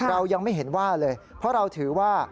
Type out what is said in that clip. เรายังไม่เห็นว่าเลยเพราะเราถือว่า